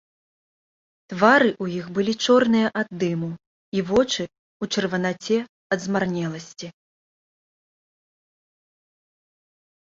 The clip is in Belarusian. Твары ў іх былі чорныя ад дыму і вочы ў чырванаце ад змарнеласці.